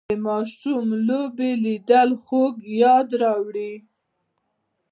د ماشوم لوبې لیدل خوږ یاد راوړي